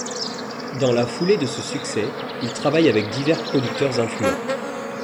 Dans la foulée de ce succès, il travaille avec divers producteurs influents.